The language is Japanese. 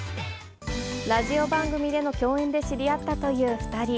ラジオ番組での共演で知り合ったという２人。